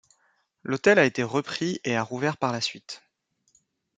L'hôtel a été repris et a rouvert par la suite.